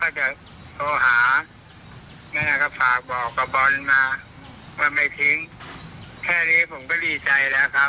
ก็จะโทรหายังไงก็ฝากบอกกับบอลมาว่าไม่ทิ้งแค่นี้ผมก็ดีใจแล้วครับ